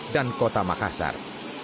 dan kota makassar